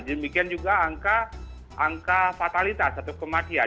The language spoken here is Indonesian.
demikian juga angka fatalitas atau kematian